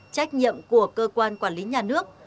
trách nhiệm của cơ quan quản lý nhà nước